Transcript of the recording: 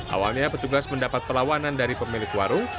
awalnya petugas mendapat perlawanan dari pemilik warung